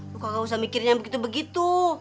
lu kagak usah mikirin yang begitu begitu